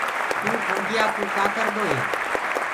تو کنُگيآ ڪوُ ڪآ ڪردو هي۔